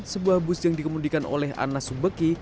sebuah bus yang dikemudikan oleh anas subeki